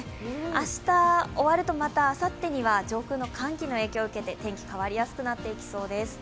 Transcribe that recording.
明日終わるとまたあさってには上空の寒気の影響を受けて、天気変わりやすくなっていきそうです。